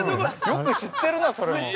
よく知ってるな、それも。